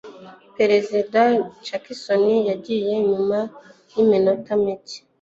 Perezida Jackson yagiye nyuma yiminota mike.